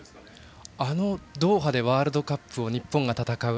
あのドーハでワールドカップを日本が戦う。